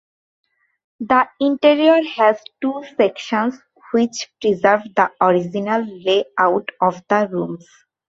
The interior has two sections which preserve the original layout of the rooms.